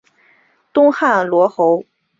东汉罗侯。